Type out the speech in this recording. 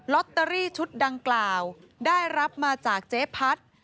ลอตเตอรี่ชุดดังกล่าวได้รับมาจากเจ๊พัด